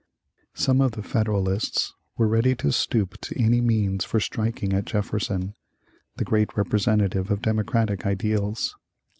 Some of the Federalists were ready to stoop to any means for striking at Jefferson, the great representative of Democratic ideals.